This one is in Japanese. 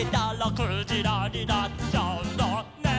「くじらになっちゃうのね」